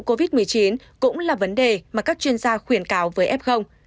khám hậu covid một mươi chín cũng là vấn đề mà các chuyên gia khuyên cáo với f